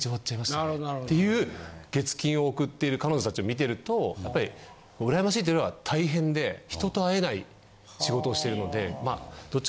なるほどなるほど。っていう月金を送っている彼女たちを見てるとやっぱり羨ましいというよりは大変で人と会えない仕事をしているのでまあ。